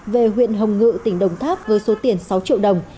về huyện hồng ngự tỉnh đồng tháp với số tiền sáu triệu đồng